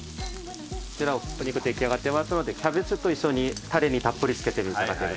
こちらお肉出来上がってますのでキャベツと一緒にタレにたっぷりつけて。